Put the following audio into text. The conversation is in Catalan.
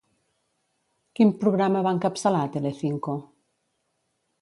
Quin programa va encapçalar a Telecinco?